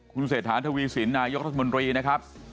คุณเศรษฐาทวีสินนายกรัฐมนตรีนะครับ